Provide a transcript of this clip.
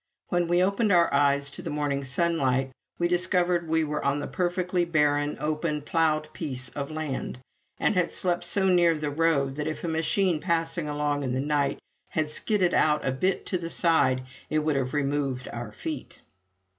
When we opened our eyes to the morning sunlight, we discovered we were on a perfectly barren open ploughed piece of land, and had slept so near the road that if a machine passing along in the night had skidded out a bit to the side, it would have removed our feet.